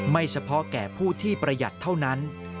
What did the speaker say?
เฉพาะแก่ผู้ที่ประหยัดเท่านั้น